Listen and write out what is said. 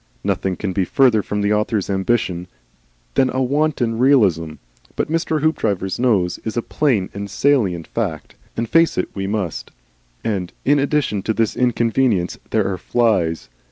Nothing can be further from the author's ambition than a wanton realism, but Mr. Hoopdriver's nose is a plain and salient fact, and face it we must. And, in addition to this inconvenience, there are flies.